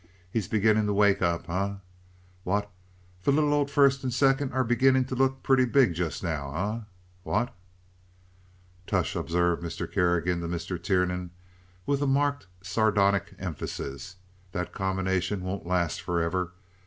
"He's beginning to wake up, eh? What! The little old first and second are beginning to look purty big just now, eh? What!" "Tush!" observed Mr. Kerrigan to Mr. Tiernan, with a marked sardonic emphasis, "that combination won't last forever.